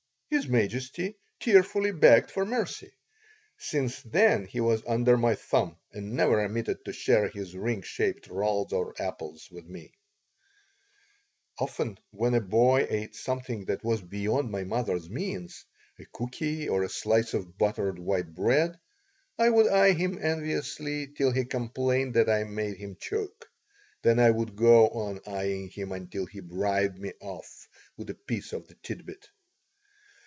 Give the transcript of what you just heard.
His Majesty tearfully begged for mercy. Since then he was under my thumb and never omitted to share his ring shaped rolls or apples with me Often when a boy ate something that was beyond my mother's means a cookie or a slice of buttered white bread I would eye him enviously till he complained that I made him choke. Then I would go on eying him until he bribed me off with a piece of the tidbit.